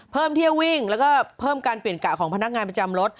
เพิ่มเที่ยววิ่งแล้วก็เพิ่มการเปลี่ยนกะของพนักงานประจำรถ